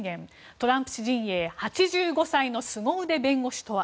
トランプ氏陣営８５歳のすご腕弁護士とは。